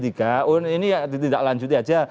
ini ya tidak lanjut aja